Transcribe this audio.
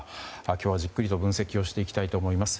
今日はじっくりと分析をしていきたいと思います。